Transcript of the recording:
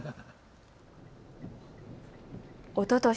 おととし